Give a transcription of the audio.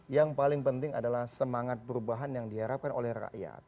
yang paling penting adalah semangat perubahan yang diharapkan oleh rakyat